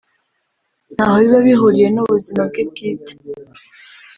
ntaho biba bihuriye n’ubuzima bwe bwite